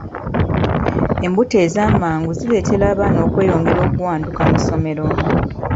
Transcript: Embuto ezamangu zireetera abaana okweyongera okuwanduka mu ssomero.